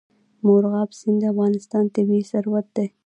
مورغاب سیند د افغانستان طبعي ثروت دی.